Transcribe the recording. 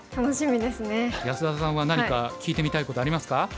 安田さんは何か聞いてみたいことありますか？